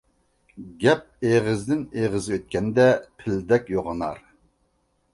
گەپ ئېغىزدىن ئېغىزغا ئۆتكەندە پىلدەك يوغىنار.